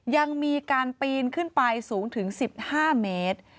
ยังมีการปีนขึ้นไปสูงถึง๑๕เมตร